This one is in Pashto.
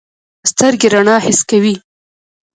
سترګې رڼا حس کوي.